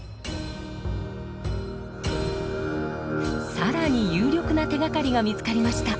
更に有力な手がかりが見つかりました。